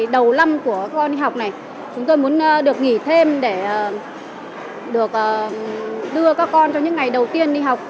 đầu năm của con đi học này chúng tôi muốn được nghỉ thêm để được đưa các con trong những ngày đầu tiên đi học